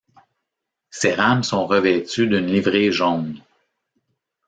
Ces rames sont revêtues d'une livrée jaune.